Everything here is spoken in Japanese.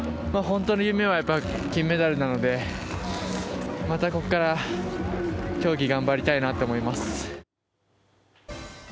本当の夢は金メダルなので、またここから競技頑張りたいなと思います。